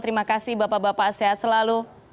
terima kasih bapak bapak sehat selalu